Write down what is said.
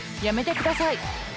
やめてください！